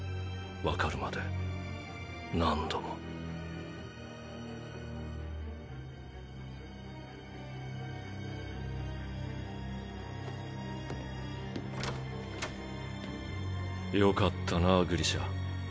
わかるまで何度も。よかったなグリシャ。